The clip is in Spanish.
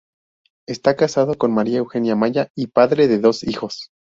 Esta casado con María Eugenia Maya y padre de dos hijos.